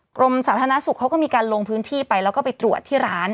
กรมสาธารณสุขเขาก็มีการลงพื้นที่ไปแล้วก็ไปตรวจที่ร้าน